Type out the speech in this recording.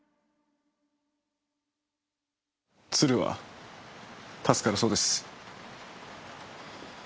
鶴は助かるそうです。